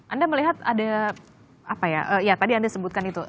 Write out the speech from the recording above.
anda melihat ada apa ya ya tadi anda sebutkan itu